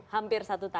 hampir satu tahun